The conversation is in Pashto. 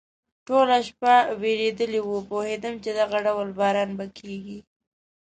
ټوله شپه ورېدلی و، پوهېدم چې دغه ډول باران به کېږي.